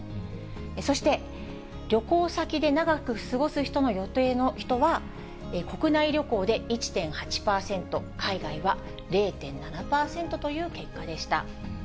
そして、旅行先で長く過ごす予定の人は、国内旅行で１．８％、海外は０．７％という結果でした。